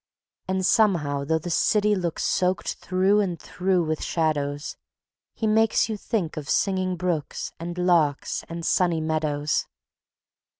And somehow though the city looks Soaked through and through with shadows, He makes you think of singing brooks And larks and sunny meadows.